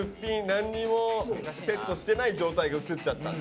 何にもセットしてない状態が映っちゃったんだ。